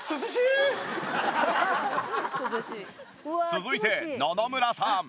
続いて野々村さん。